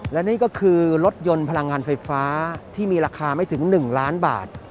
และนี่ก็คือรถยนต์พลังงานไฟฟ้าที่มีราคาไม่ถึง๑ล้านบาท